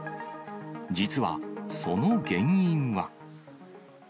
実は、その原因は。